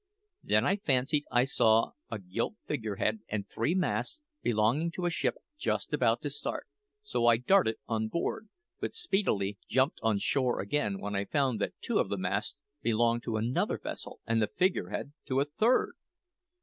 Then I fancied I saw a gilt figurehead and three masts belonging to a ship just about to start; so I darted on board, but speedily jumped on shore again when I found that two of the masts belonged to another vessel and the figurehead to a third!